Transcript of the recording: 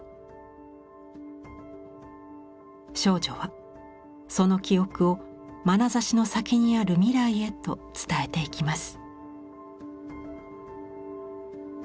少女はその記憶をまなざしの先にある未来へと伝えていきます。